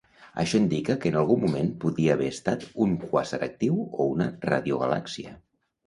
Això indica que en algun moment podia haver estat un quàsar actiu o una radiogalàxia.